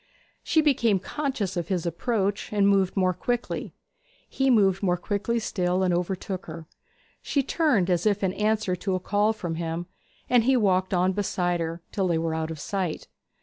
She became conscious of his approach, and moved more quickly. He moved more quickly still, and overtook her. She turned as if in answer to a call from him, and he walked on beside her, till they were out of sight.